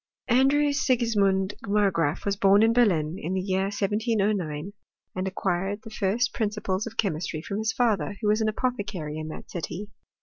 Andrew Sigismund Margraaf was bom in Berlin, in the year 1709, and acquired the first principles of chemistry from his father, who was an apothecary in that city.